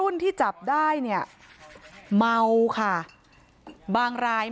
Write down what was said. สามห้องเลยนะ